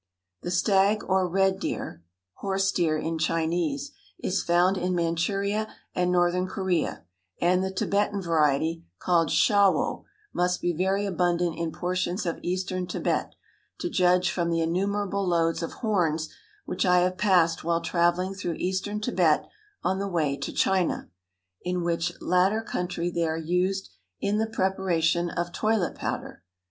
The stag or red deer ("horse deer" in Chinese) is found in Manchuria and northern Korea, and the Tibetan variety, called shawo, must be very abundant in portions of eastern Tibet, to judge from the innumerable loads of horns which I have passed while traveling through eastern Tibet on the way to China, in which latter country they are used in the preparation of toilet powder.